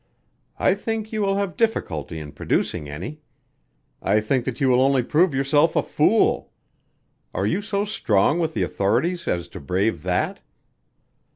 I think you will have difficulty in producing any. I think that you will only prove yourself a fool. Are you so strong with the authorities as to brave that?"